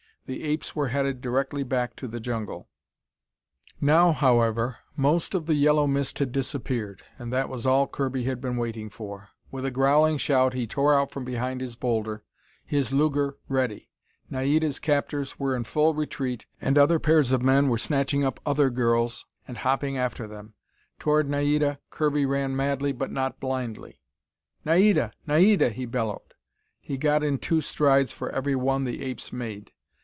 The apes were headed directly back to the jungle. Now, however, most of the yellow mist had disappeared, and that was all Kirby had been waiting for. With a growling shout, he tore out from behind his boulder, his Luger ready. Naida's captors were in full retreat, and other pairs of men were snatching up other girls and hopping after them. Toward Naida Kirby ran madly but not blindly. "Naida! Naida!" he bellowed. He got in two strides for every one the apes made.